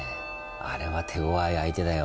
あれは手ごわい相手だよ。